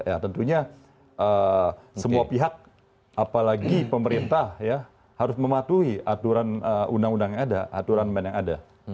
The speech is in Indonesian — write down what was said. ya tentunya semua pihak apalagi pemerintah ya harus mematuhi aturan undang undang yang ada aturan main yang ada